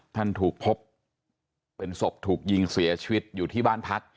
ท่านถูกพบเป็นศพถูกยิงเสียชีวิตอยู่ที่บ้านพัก